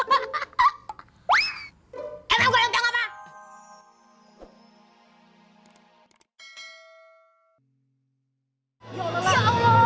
eh enggak enggak enggak enggak mama